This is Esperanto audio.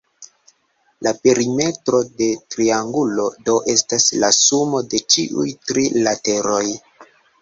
La perimetro de triangulo, do, estas la sumo de ĉiuj tri lateroj.